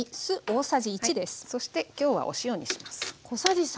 そして今日はお塩にします。